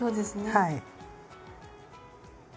はい。